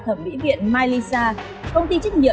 thẩm mỹ viện mylisa công ty trích nhiệm